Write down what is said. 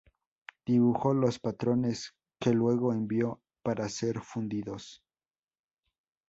Dibujó los patrones que luego envió para ser fundidos.